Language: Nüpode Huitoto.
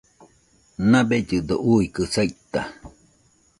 Nabellɨdo uikɨ saita